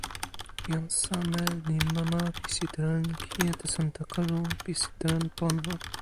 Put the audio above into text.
jan Same li mama pi sitelen "kijetesantakalu" pi sitelen pona.